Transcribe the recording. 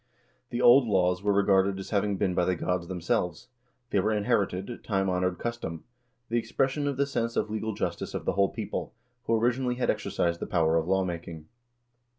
The old laws were regarded as having been given by the gods themselves ; they were inherited, time honored custom, the expression of the sense of legal justice of the whole people, who originally had exercised the power of law making.